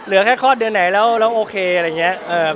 เหลือแค่คลอดเดือนไหนแล้วแล้วโอเคอะไรอย่างเงี้ยเอ่อ